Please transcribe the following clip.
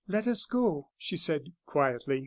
"Let us go," she said, quietly.